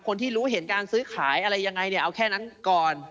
คนที่รู้เห็นการซื้อขายอะไรยังไงเนี่ยเอาแค่นั้นก่อน